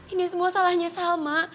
ini semua salahnya salma